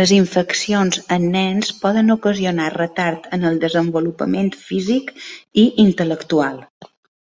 Les infeccions en nens poden ocasionar retard en el desenvolupament físic i intel·lectual.